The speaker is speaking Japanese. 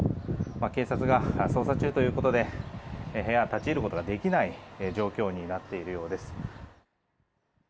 警察が捜査中ということで部屋は立ち入ることができない状況になっているようです。